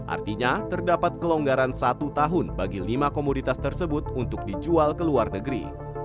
artinya terdapat kelonggaran satu tahun bagi lima komoditas tersebut untuk dijual ke luar negeri